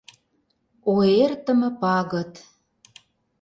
О эртыме пагыт!